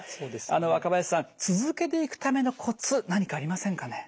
あの若林さん続けていくためのコツ何かありませんかね。